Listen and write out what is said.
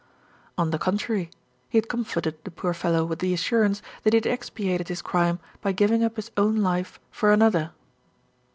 On the contrary he had comforted the poor fellow with the assurance that he had expiated his crime by giving up his own life for another.